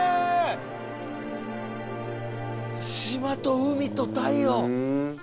島と海と太陽。